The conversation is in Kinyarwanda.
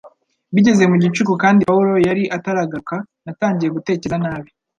Bigeze mu gicuku kandi Pawulo yari ataragaruka, natangiye gutekereza nabi